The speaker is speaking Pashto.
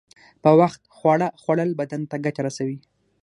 په وخت خواړه خوړل بدن ته گټه رسوي.